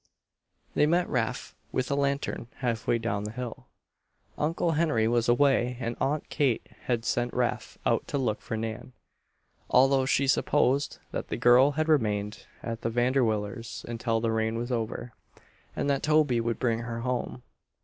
They met Rafe with a lantern half way down the hill. Uncle Henry was away and Aunt Kate had sent Rafe out to look for Nan, although she supposed that the girl had remained at the Vanderwillers' until the rain was over, and that Toby would bring her home.